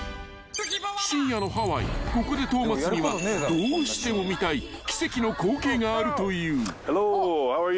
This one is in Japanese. ［深夜のハワイここで東松にはどうしても見たい奇跡の光景があるという］